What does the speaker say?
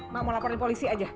mak mau laporin polisi aja